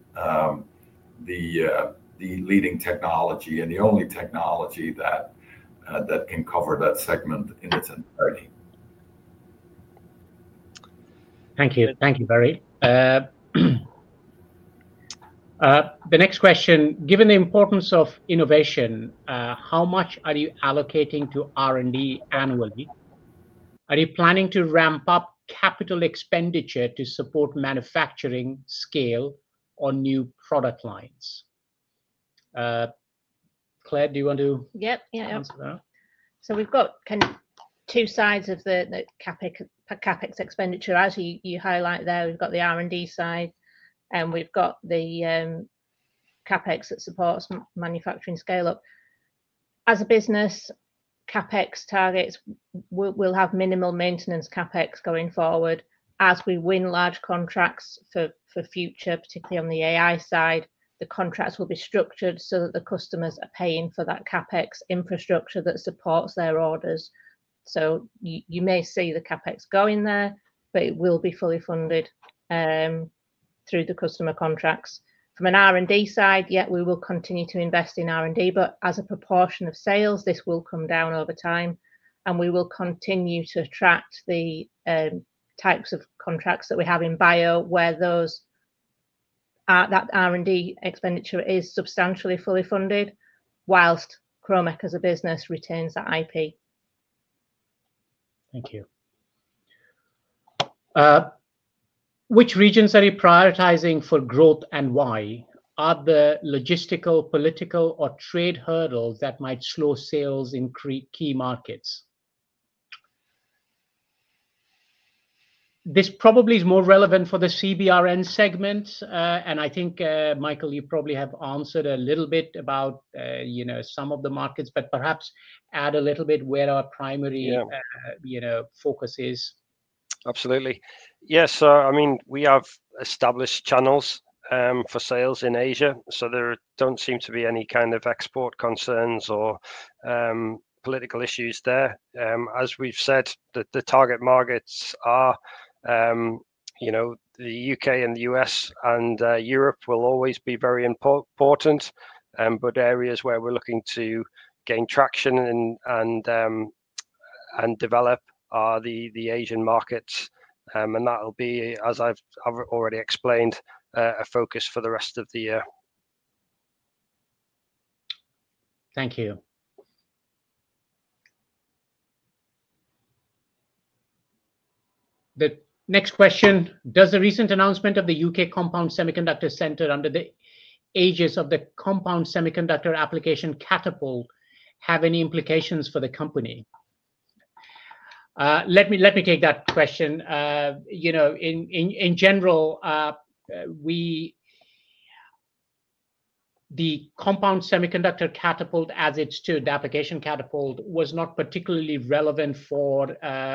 the leading technology and the only technology that can cover that segment in its entirety. Thank you. Thank you, Barry. The next question, given the importance of innovation, how much are you allocating to R&D annually? Are you planning to ramp up capital expenditure to support manufacturing scale on new product lines? Claire, do you want to answer that? Yep. Yeah. So we've got kind of two sides of the CapEx expenditure. As you highlight there, we've got the R&D side, and we've got the CapEx that supports manufacturing scale-up. As a business, CapEx targets will have minimal maintenance CapEx going forward. As we win large contracts for future, particularly on the AI side, the contracts will be structured so that the customers are paying for that CapEx infrastructure that supports their orders. You may see the CapEx going there, but it will be fully funded through the customer contracts. From an R&D side, yep, we will continue to invest in R&D. As a proportion of sales, this will come down over time. We will continue to track the types of contracts that we have in bio where that R&D expenditure is substantially fully funded whilst Kromek as a business retains that IP. Thank you. Which regions are you prioritizing for growth and why? Are there logistical, political, or trade hurdles that might slow sales in key markets? This probably is more relevant for the CBRN segment. I think, Michael, you probably have answered a little bit about some of the markets, but perhaps add a little bit where our primary focus is. Absolutely. Yes. I mean, we have established channels for sales in Asia. There do not seem to be any kind of export concerns or political issues there. As we have said, the target markets are the U.K. and the U.S., and Europe will always be very important. Areas where we are looking to gain traction and develop are the Asian markets. That will be, as I have already explained, a focus for the rest of the year. Thank you. The next question, does the recent announcement of the U.K. Compound Semiconductor Center under the aegis of the Compound Semiconductor Application Catapult have any implications for the company? Let me take that question. In general, the Compound Semiconductor Catapult, as it stood, the application catapult, was not particularly relevant for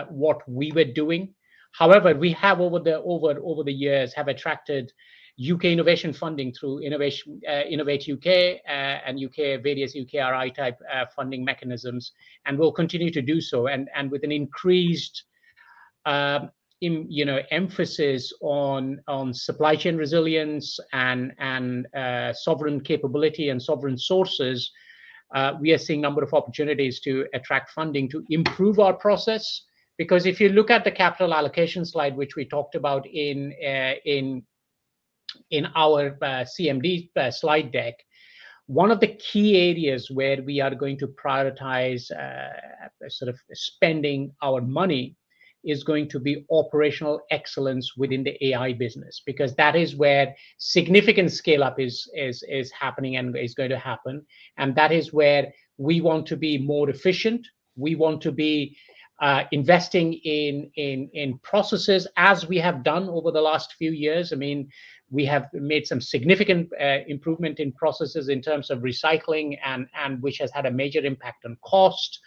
what we were doing. However, we have over the years attracted U.K. innovation funding through Innovate U.K. and various UKRI-type funding mechanisms and will continue to do so. With an increased emphasis on supply chain resilience and sovereign capability and sovereign sources, we are seeing a number of opportunities to attract funding to improve our process. Because if you look at the capital allocation slide, which we talked about in our CMD slide deck, one of the key areas where we are going to prioritize sort of spending our money is going to be operational excellence within the AI business. Because that is where significant scale-up is happening and is going to happen. That is where we want to be more efficient. We want to be investing in processes as we have done over the last few years. I mean, we have made some significant improvement in processes in terms of recycling, which has had a major impact on cost,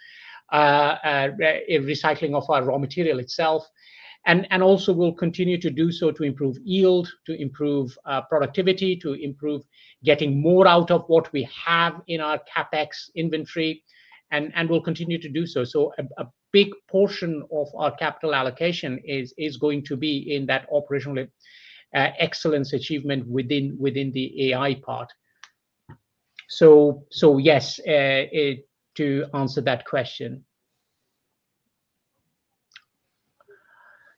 recycling of our raw material itself. Also, we'll continue to do so to improve yield, to improve productivity, to improve getting more out of what we have in our CapEx inventory. We'll continue to do so. A big portion of our capital allocation is going to be in that operational excellence achievement within the AI part. Yes, to answer that question.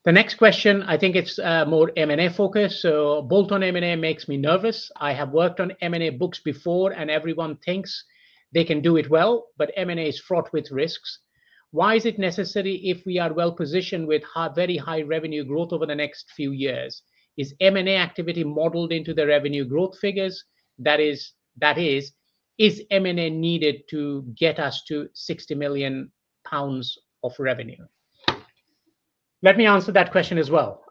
The next question, I think it's more M&A focus. Bolton M&A makes me nervous. I have worked on M&A books before, and everyone thinks they can do it well. M&A is fraught with risks. Why is it necessary if we are well positioned with very high revenue growth over the next few years? Is M&A activity modeled into the revenue growth figures? That is, is M&A needed to get us to 60 million pounds of revenue? Let me answer that question as well.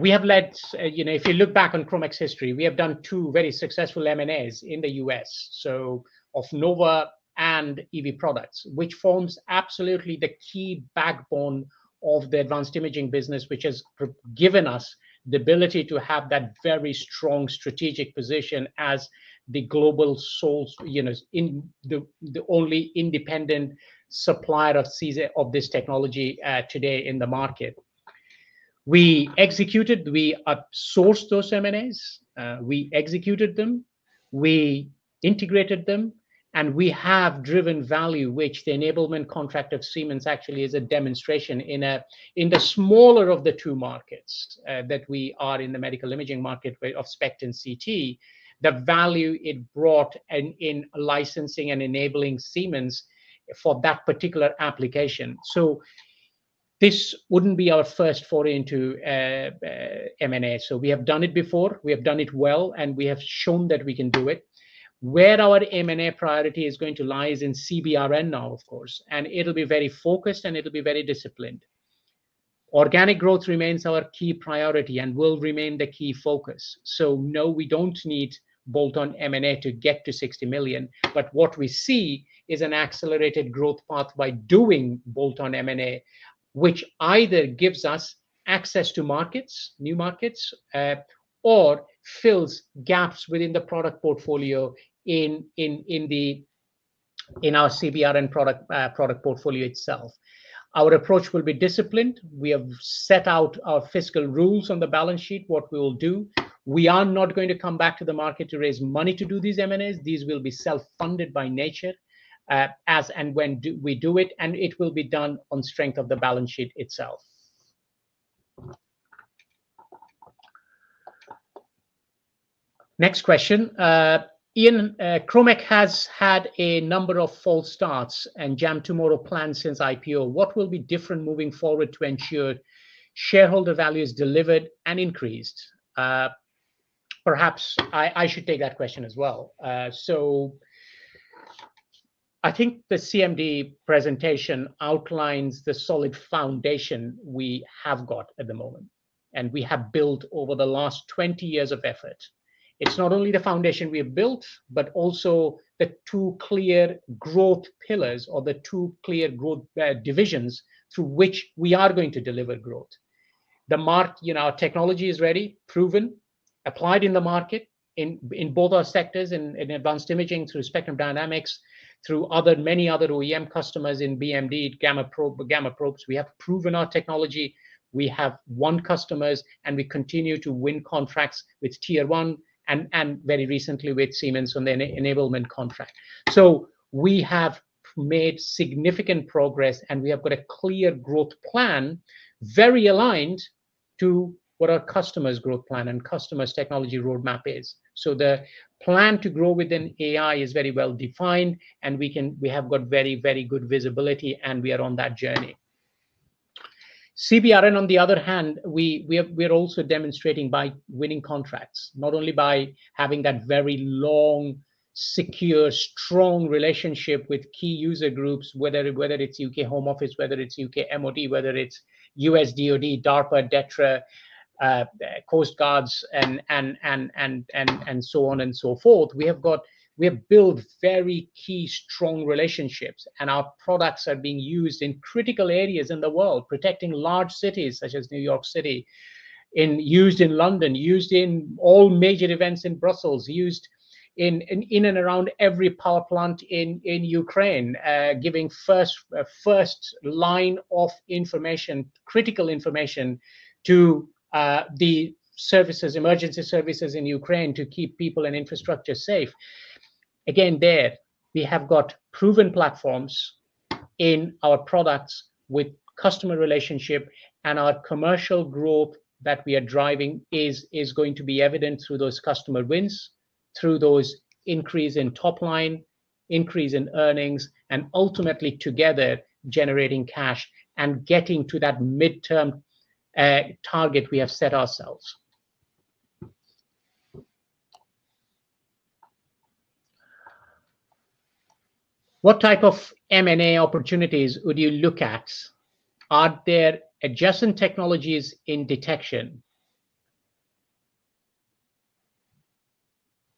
We have led, if you look back on Kromek's history, we have done two very successful M&As in the U.S., so of Nova and EV Products, which forms absolutely the key backbone of the advanced imaging business, which has given us the ability to have that very strong strategic position as the global source, the only independent supplier of this technology today in the market. We executed, we sourced those M&As. We executed them. We integrated them. We have driven value, which the enablement contract of Siemens actually is a demonstration in the smaller of the two markets that we are in, the medical imaging market of SPECT and CT, the value it brought in licensing and enabling Siemens for that particular application. This would not be our first foray into M&A. We have done it before. We have done it well. We have shown that we can do it. Where our M&A priority is going to lie is in CBRN now, of course. It will be very focused, and it will be very disciplined. Organic growth remains our key priority and will remain the key focus. No, we do not need bolt-on M&A to get to 60 million. What we see is an accelerated growth path by doing bolt-on M&A, which either gives us access to new markets or fills gaps within the product portfolio in our CBRN product portfolio itself. Our approach will be disciplined. We have set out our fiscal rules on the balance sheet, what we will do. We are not going to come back to the market to raise money to do these M&As. These will be self-funded by nature as and when we do it. It will be done on strength of the balance sheet itself. Next question. Ian, Kromek has had a number of false starts and jammed tomorrow plans since IPO. What will be different moving forward to ensure shareholder value is delivered and increased? Perhaps I should take that question as well. I think the CMD presentation outlines the solid foundation we have got at the moment. We have built over the last 20 years of effort. It is not only the foundation we have built, but also the two clear growth pillars or the two clear growth divisions through which we are going to deliver growth. The technology is ready, proven, applied in the market in both our sectors in advanced imaging through Spectrum Dynamics, through many other OEM customers in BMD, gamma probes. We have proven our technology. We have won customers. We continue to win contracts with Tier 1 and very recently with Siemens on the enablement contract. We have made significant progress. We have got a clear growth plan very aligned to what our customer's growth plan and customer's technology roadmap is. The plan to grow within AI is very well defined. We have got very, very good visibility. We are on that journey. CBRN, on the other hand, we are also demonstrating by winning contracts, not only by having that very long, secure, strong relationship with key user groups, whether it's U.K. Home Office, whether it's U.K. MoD, whether it's U.S. DoD, DARPA, DETRA, Coast Guards, and so on and so forth. We have built very key, strong relationships. Our products are being used in critical areas in the world, protecting large cities such as New York City, used in London, used in all major events in Brussels, used in and around every power plant in Ukraine, giving first line of critical information to the emergency services in Ukraine to keep people and infrastructure safe. There, we have got proven platforms in our products with customer relationship. Our commercial growth that we are driving is going to be evident through those customer wins, through those increase in top line, increase in earnings, and ultimately together generating cash and getting to that midterm target we have set ourselves. What type of M&A opportunities would you look at? Are there adjacent technologies in detection?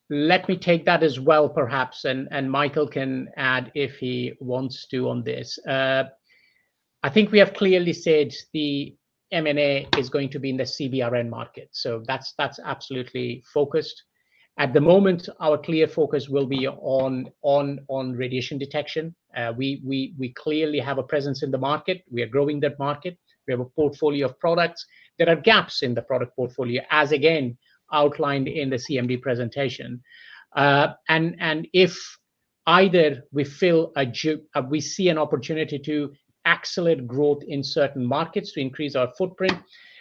Let me take that as well, perhaps. Michael can add if he wants to on this. I think we have clearly said the M&A is going to be in the CBRN market. That is absolutely focused. At the moment, our clear focus will be on radiation detection. We clearly have a presence in the market. We are growing that market. We have a portfolio of products. There are gaps in the product portfolio, as again outlined in the CMD presentation. If either we see an opportunity to accelerate growth in certain markets to increase our footprint,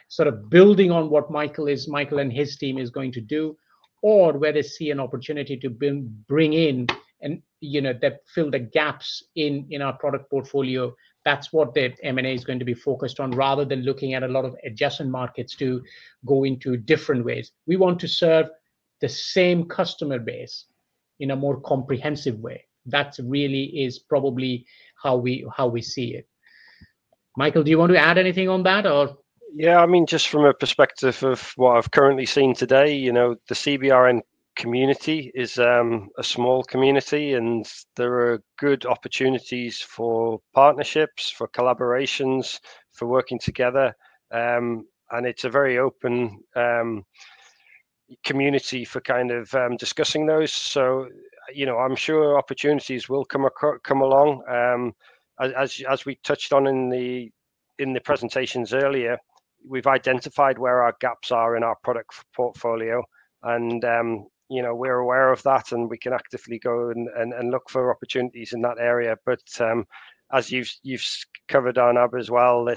sort of building on what Michael and his team is going to do, or whether we see an opportunity to bring in that fill the gaps in our product portfolio, that is what the M&A is going to be focused on rather than looking at a lot of adjacent markets to go into different ways. We want to serve the same customer base in a more comprehensive way. That really is probably how we see it. Michael, do you want to add anything on that or? Yeah. I mean, just from a perspective of what I've currently seen today, the CBRN community is a small community. There are good opportunities for partnerships, for collaborations, for working together. It's a very open community for kind of discussing those. I'm sure opportunities will come along. As we touched on in the presentations earlier, we've identified where our gaps are in our product portfolio. We're aware of that. We can actively go and look for opportunities in that area. As you've covered, Arnab, as well,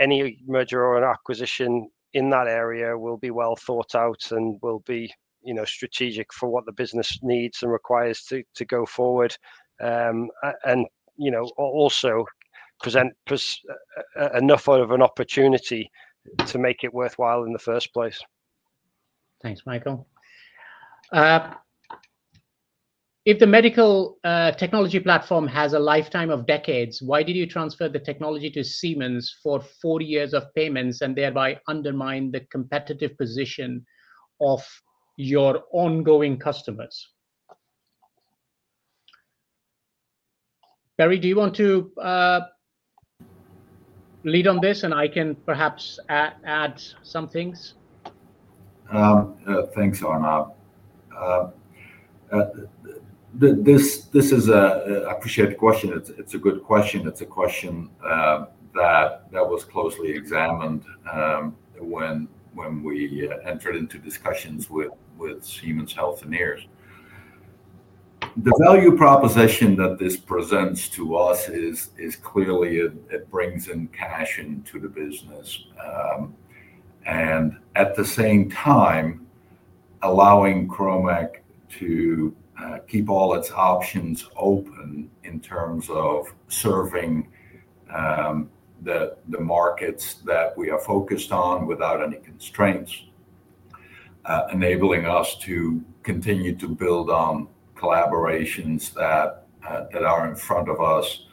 any merger or acquisition in that area will be well thought out and will be strategic for what the business needs and requires to go forward and also present enough of an opportunity to make it worthwhile in the first place. Thanks, Michael. If the medical technology platform has a lifetime of decades, why did you transfer the technology to Siemens for 40 years of payments and thereby undermine the competitive position of your ongoing customers? Barry, do you want to lead on this? I can perhaps add some things. Thanks, Arnab. This is an appreciated question. It's a good question. It's a question that was closely examined when we entered into discussions with Siemens Healthineers. The value proposition that this presents to us is clearly it brings in cash into the business. At the same time, allowing Kromek to keep all its options open in terms of serving the markets that we are focused on without any constraints, enabling us to continue to build on collaborations that are in front of us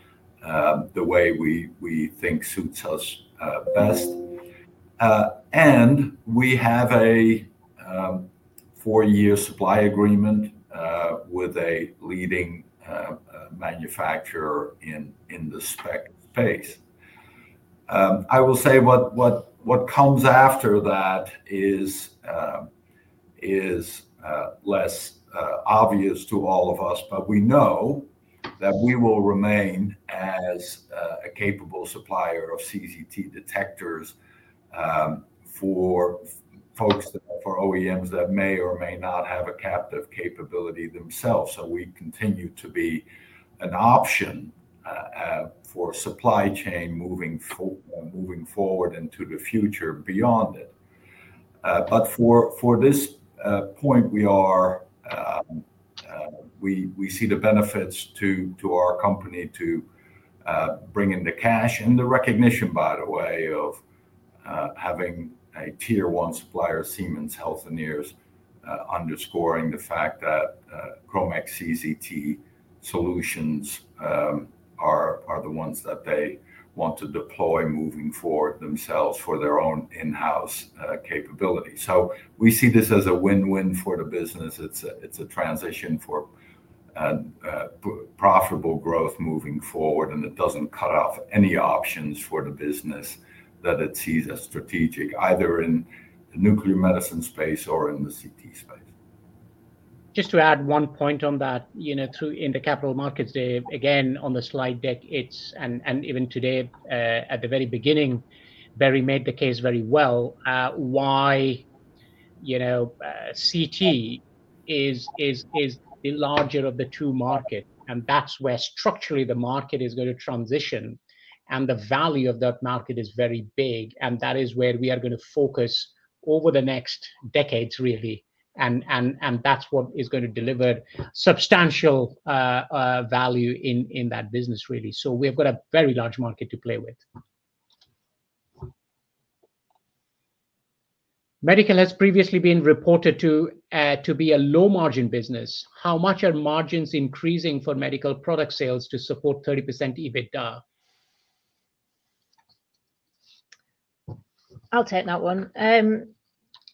the way we think suits us best. We have a four-year supply agreement with a leading manufacturer in the SPECT phase. I will say what comes after that is less obvious to all of us. We know that we will remain as a capable supplier of CZT detectors for OEMs that may or may not have a captive capability themselves. We continue to be an option for supply chain moving forward into the future beyond it. For this point, we see the benefits to our company to bring in the cash and the recognition, by the way, of having a tier-one supplier, Siemens Healthineers, underscoring the fact that Kromek CCT solutions are the ones that they want to deploy moving forward themselves for their own in-house capability. We see this as a win-win for the business. It is a transition for profitable growth moving forward. It does not cut off any options for the business that it sees as strategic, either in the nuclear medicine space or in the CT space. Just to add one point on that, in the capital markets day, again, on the slide deck, and even today at the very beginning, Barry made the case very well why CT is the larger of the two markets. That is where structurally the market is going to transition. The value of that market is very big. That is where we are going to focus over the next decades, really. That is what is going to deliver substantial value in that business, really. We have got a very large market to play with. Medical has previously been reported to be a low-margin business. How much are margins increasing for medical product sales to support 30% EBITDA? I'll take that one.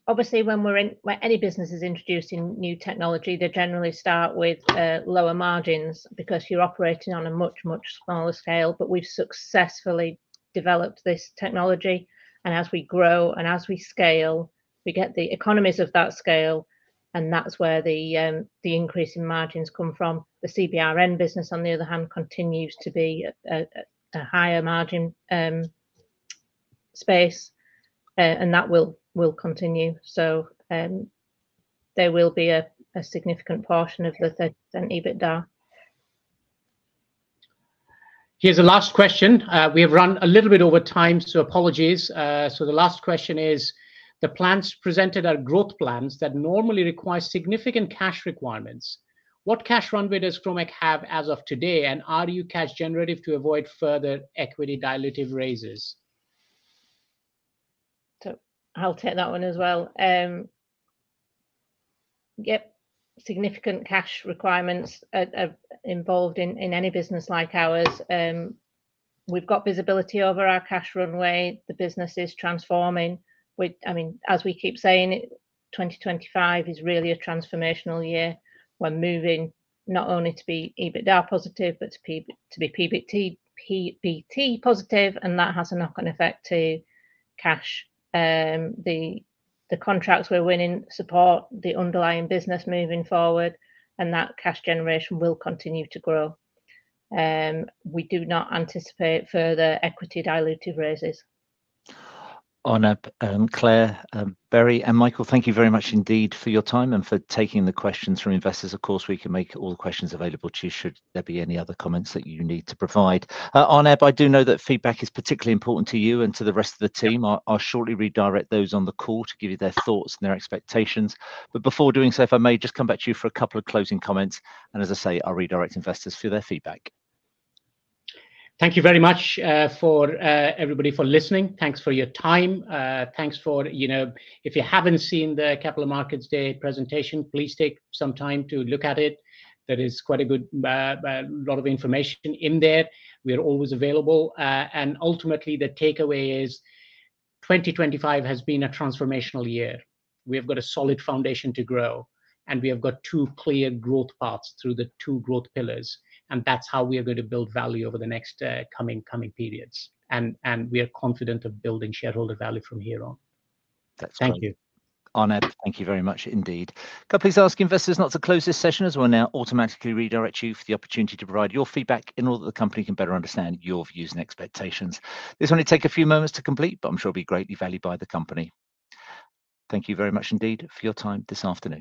Obviously, when any business is introducing new technology, they generally start with lower margins because you're operating on a much, much smaller scale. We've successfully developed this technology. As we grow and as we scale, we get the economies of that scale. That's where the increase in margins comes from. The CBRN business, on the other hand, continues to be a higher margin space. That will continue. There will be a significant portion of the 30% EBITDA. Here's the last question. We have run a little bit over time. Apologies. The last question is, the plans presented are growth plans that normally require significant cash requirements. What cash runway does Kromek have as of today? Are you cash generative to avoid further equity dilutive raises? I'll take that one as well. Yep. Significant cash requirements are involved in any business like ours. We've got visibility over our cash runway. The business is transforming. I mean, as we keep saying, 2025 is really a transformational year. We're moving not only to be EBITDA positive but to be PBT positive. That has a knock-on effect to cash. The contracts we're winning support the underlying business moving forward. That cash generation will continue to grow. We do not anticipate further equity dilutive raises. Arnab, Claire, Barry, and Michael, thank you very much indeed for your time and for taking the questions from investors. Of course, we can make all the questions available to you should there be any other comments that you need to provide. Arnab, I do know that feedback is particularly important to you and to the rest of the team. I'll shortly redirect those on the call to give you their thoughts and their expectations. If I may, just come back to you for a couple of closing comments. I'll redirect investors for their feedback. Thank you very much for everybody for listening. Thanks for your time. If you haven't seen the Capital Markets Day presentation, please take some time to look at it. There is quite a lot of information in there. We are always available. Ultimately, the takeaway is 2025 has been a transformational year. We have got a solid foundation to grow. We have got two clear growth paths through the two growth pillars. That is how we are going to build value over the next coming periods. We are confident of building shareholder value from here on. Thank you. Arnab, thank you very much indeed. Can I please ask investors not to close this session as we will now automatically redirect you for the opportunity to provide your feedback in order that the company can better understand your views and expectations. This only takes a few moments to complete, but I am sure it will be greatly valued by the company. Thank you very much indeed for your time this afternoon.